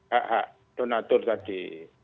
hak hak donatur tadi